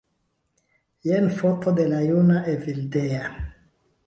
Jen foto de la juna Evildea